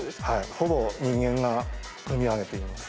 ほぼ人間が組み上げています。